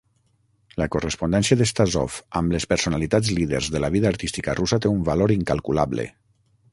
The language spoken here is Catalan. La correspondència de Stasov amb les personalitats líders de la vida artística russa té un valor incalculable.